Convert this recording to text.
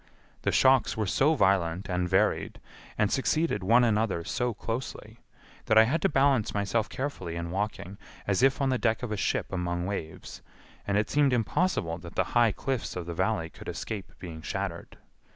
The shocks were so violent and varied, and succeeded one another so closely, that I had to balance myself carefully in walking as if on the deck of a ship among waves, and it seemed impossible that the high cliffs of the Valley could escape being shattered.